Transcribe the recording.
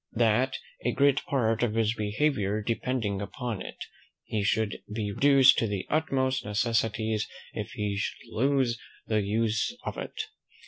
"That, a great part of his behaviour depending upon it, he should be reduced to the utmost necessities if he should lose the use of it.